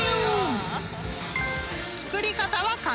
［作り方は簡単］